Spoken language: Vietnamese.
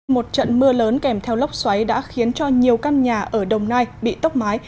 một trận mưa lớn kèm theo lốc xoáy đã khiến cho nhiều căn nhà ở đồng nai bị tốc mái